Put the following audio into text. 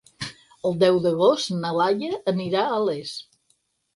El deu d'agost na Laia anirà a Les.